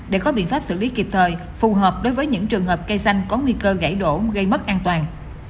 để có biện pháp xử lý kịp thời phù hợp đối với những trường hợp cây xanh có nguy cơ gãy đổ gây mất an toàn